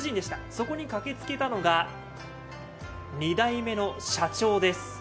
そこに駆けつけたのが２代目の社長です。